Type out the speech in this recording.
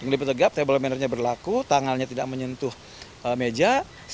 lebih tegap table manner nya berlaku tangannya tidak menyentuh meja